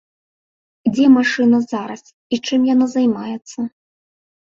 Дзе машына зараз і чым яна займаецца?